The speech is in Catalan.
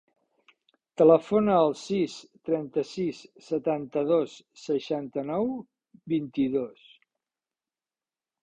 Telefona al sis, trenta-sis, setanta-dos, seixanta-nou, vint-i-dos.